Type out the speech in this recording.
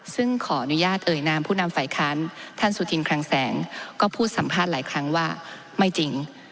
ซึ่งขออนุญาตเอ่ยนามผู้นำฝ่ายค้านท่านสุธินคลังแสงก็พูดสัมภาษณ์หลายครั้งว่าไม่จริง